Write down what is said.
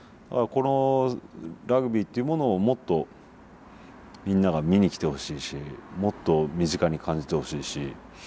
このラグビーというものをもっとみんなが見に来てほしいしもっと身近に感じてほしいし。